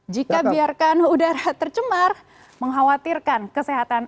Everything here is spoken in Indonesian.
jika biarkan udara tercemar mengkhawatirkan kesehatan